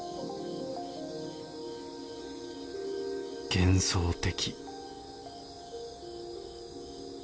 幻想的